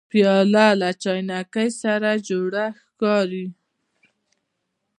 پیاله له چاینکي سره جوړه ښکاري.